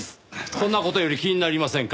そんな事より気になりませんか？